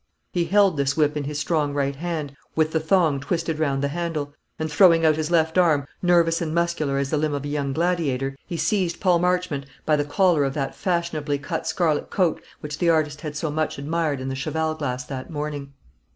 He held this whip in his strong right hand, with the thong twisted round the handle; and throwing out his left arm, nervous and muscular as the limb of a young gladiator, he seized Paul Marchmont by the collar of that fashionably cut scarlet coat which the artist had so much admired in the cheval glass that morning.